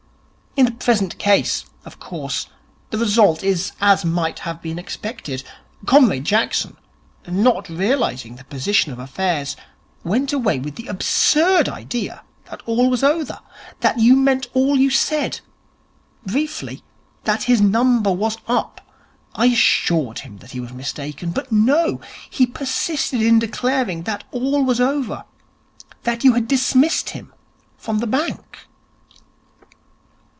In the present case, of course, the result is as might have been expected. Comrade Jackson, not realizing the position of affairs, went away with the absurd idea that all was over, that you meant all you said briefly, that his number was up. I assured him that he was mistaken, but no! He persisted in declaring that all was over, that you had dismissed him from the bank.'